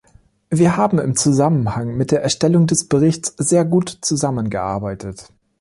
Wir haben im Zusammenhang mit der Erstellung des Berichts sehr gut zusammengearbeitet.